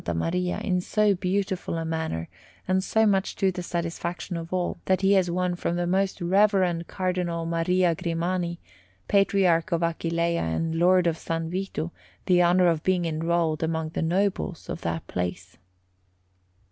Maria, in so beautiful a manner, and so much to the satisfaction of all, that he has won from the most reverend Cardinal Maria Grimani, Patriarch of Aquileia and Lord of San Vito, the honour of being enrolled among the nobles of that place.